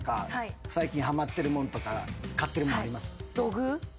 最近はまってるもんとか買ってるものあります？